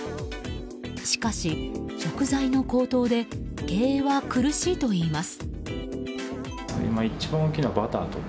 しかし、食材の高騰で経営は苦しいといいます。